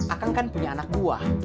akang kan punya anak buah